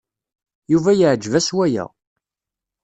Yuba yeɛjeb-as waya.